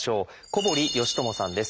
小堀善友さんです